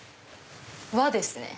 和ですね